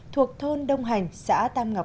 thuộc thôn đông hành xã tam ngọc